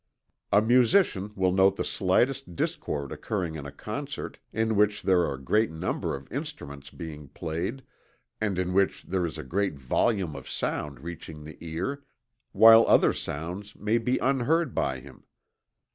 A musician will note the slightest discord occurring in a concert in which there are a great number of instruments being played, and in which there is a great volume of sound reaching the ear, while other sounds may be unheard by him.